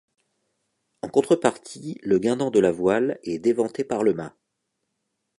En contrepartie, le guindant de la voile est déventé par le mât.